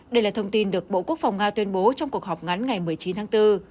đây là thông tin được bộ quốc phòng nga tuyên bố trong cuộc họp ngắn ngày một mươi chín tháng bốn